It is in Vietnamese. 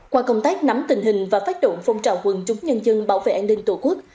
qua công tác nắm tình hình và phát động phong trào quân chúng nhân dân bảo vệ an ninh tổ quốc